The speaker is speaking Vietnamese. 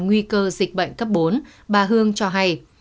nguy cơ dịch bệnh cấp bốn bà hương cho hay